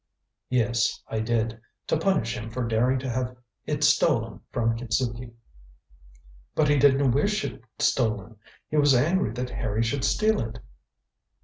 "Yes, I did. To punish him for daring to have it stolen from Kitzuki." "But he didn't wish it stolen. He was angry that Harry should steal it."